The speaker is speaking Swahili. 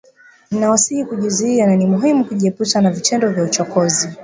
Ninawasihi kujizuia na ni muhimu kujiepusha na vitendo vya uchokozi.